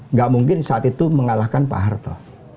nggak mungkin saat itu mengalahkan pak harto